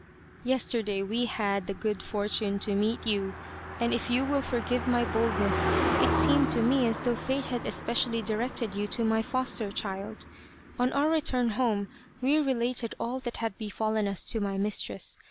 ' Yesterday we had the good fortune to meet you, and if you will forgive my boldness, it seemed to me as though Fate had especially directed you to my 259 A Cherry Flower Idyll foster child. On our return home, we related all that had befallen us to my mistress.